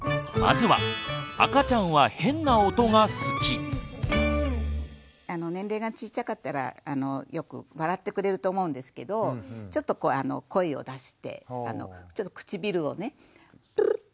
まずは年齢がちっちゃかったらよく笑ってくれると思うんですけどちょっと声を出してちょっと唇をね。